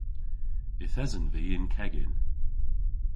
Yth esen vy y'n kegin.